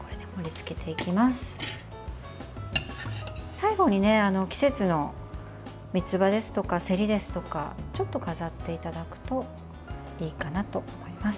最後に季節の三つ葉ですとかせりですとかちょっと飾っていただくといいかなと思います。